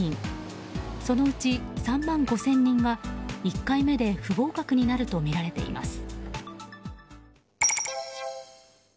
そのうち３万５０００人が１回目で不合格になるとみられています。